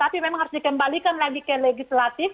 tapi memang harus dikembalikan lagi ke legislatif